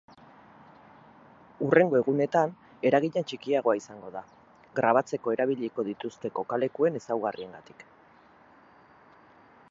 Hurrengo egunetan eragina txikiagoa izango da, grabatzeko erabiliko dituzten kokalekuen ezaugarriengatik.